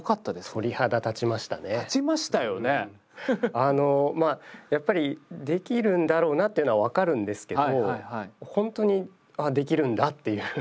あのまあやっぱりできるんだろうなっていうのは分かるんですけどほんとにあっできるんだっていう。